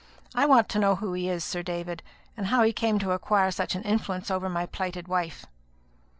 I want to know who he is, Sir David, and how he came to acquire such an influence over my plighted wife."